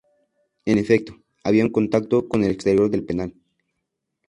En efecto, había un contacto con el exterior del penal.